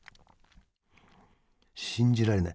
信じられない。